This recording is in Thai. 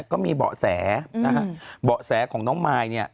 ก็มีเบาะแสนะฮะเบาะแสของน้องมายเนี่ย